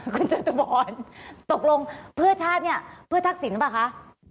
คุณเจษฐพรตกลงเพื่อชาติเพื่อทักศิลป์ใช่ไหมคะ